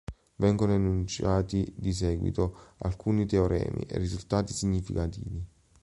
Vengono enunciati di seguito alcuni teoremi e risultati significativi.